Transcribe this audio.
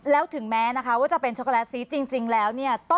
แล้วถึงแม้นะคะว่าจะเป็นช็อกโกแลตสีจริงแล้วเนี่ย